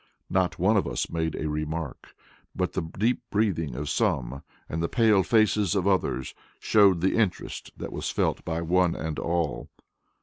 Not one of us made a remark, but the deep breathing of some and the pale faces of others showed the interest that was felt by one and all.